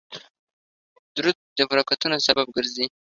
درود د برکتونو سبب ګرځي